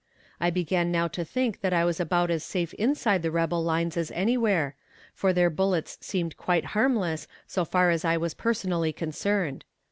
I began now to think that I was about as safe inside the rebel lines as anywhere, for their bullets seemed quite harmless so far as I was personally concerned.